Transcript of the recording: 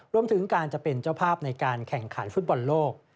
รวมถึงการจะเป็นเจ้าภาพในการแข่งขันฟุตบอลโลก